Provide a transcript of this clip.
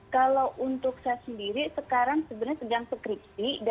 kalau untuk saya sendiri sekarang sebenarnya sedang skripsi